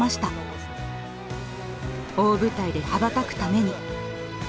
大舞台で羽ばたくために。